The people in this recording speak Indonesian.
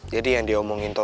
jadi yang dia omongin tadi